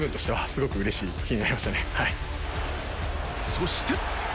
そして。